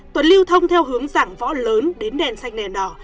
tuấn lưu thông theo hướng dạng võ lớn đến đèn xanh đèn đỏ